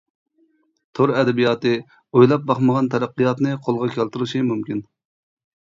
تور ئەدەبىياتى ئويلاپ باقمىغان تەرەققىياتنى قولغا كەلتۈرۈشى مۇمكىن.